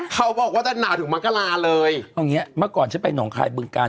เขาบอกว่าจะหนาวถึงมกราเลยตรงเนี้ยเมื่อก่อนฉันไปหนองคายบึงกาล